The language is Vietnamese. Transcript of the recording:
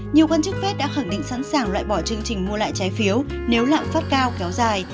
nhiều quan chức fed đã khẳng định sẵn sàng loại bỏ chương trình mua lại trái phiếu nếu lạm phát cao kéo dài